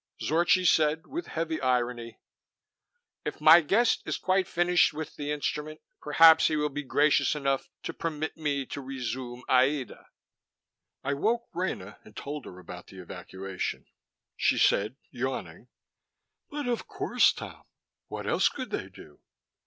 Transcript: Zorchi said with heavy irony, "If my guest is quite finished with the instrument, perhaps he will be gracious enough to permit me to resume Aïda." I woke Rena and told her about the evacuation. She said, yawning, "But of course, Tom. What else could they do?"